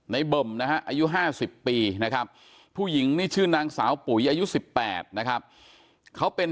เบิ่มนะฮะอายุ๕๐ปีนะครับผู้หญิงนี่ชื่อนางสาวปุ๋ยอายุ๑๘นะครับเขาเป็น